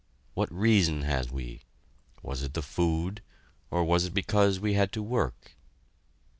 "What reason had we? Was it the food, or was it because we had to work?"